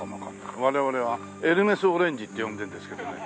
我々はエルメスオレンジって呼んでるんですけどね。